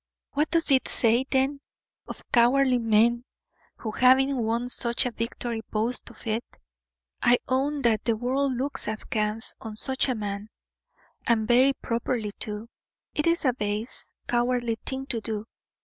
"What does it say, then, of cowardly men who, having won such a victory, boast of it?" "I own that the world looks askance on such a man, and very properly too. It is a base, cowardly thing to do.